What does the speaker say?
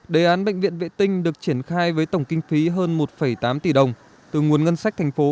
đề án bệnh viện vệ tinh được triển khai với tổng kinh phí hơn một tám tỷ đồng từ nguồn ngân sách thành phố